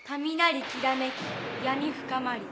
「雷煌めき闇深まり」。